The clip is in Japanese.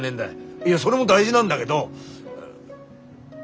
いやそれも大事なんだげど。